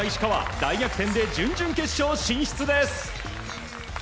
大逆転で準々決勝進出です。